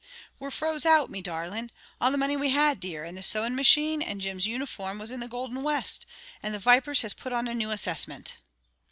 "We're froze out, me darlin'! All the money we had, dear, and the sewing machine, and Jim's uniform, was in the Golden West; and the vipers has put on a new assessment."